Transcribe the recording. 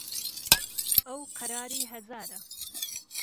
ئهو قەراری ههزاره